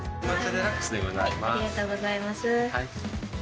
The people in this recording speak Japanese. ありがとうございます。